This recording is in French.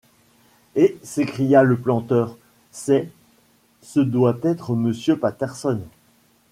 Eh! s’écria le planteur, c’est... ce doit être Monsieur Patterson...